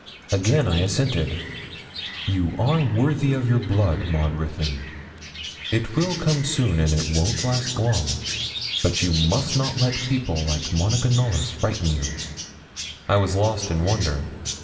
Again I assented. 'You are worthy of your blood, Maud Ruthyn. It will come soon, and it won't last long. But you must not let people like Monica Knollys frighten you.' I was lost in wonder.